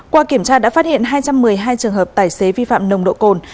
qua kiểm tra đã phát hiện hai trăm một mươi hai trường hợp tài xế vi phạm nồng độ cồn